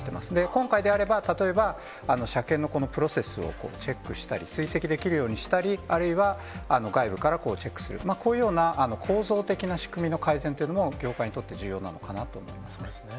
今回であれば例えば、車検のこのプロセスをチェックしたり、追跡できるようにしたり、あるいは外部からチェックする、こういうような構造的な仕組みの改善というのも業界にとって重要そうですね。